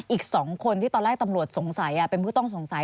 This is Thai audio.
อีก๒คนที่ตอนแรกตำรวจสงสัยเป็นผู้ต้องสงสัย